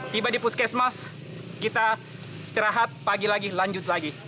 tiba di puskesmas kita istirahat pagi lagi lanjut lagi